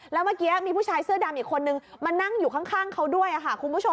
แล้วเมื่อกี้มีผู้ชายเสื้อดำอีกคนนึงมานั่งอยู่ข้างเขาด้วยค่ะคุณผู้ชม